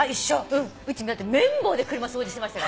うちだって綿棒で車掃除してました。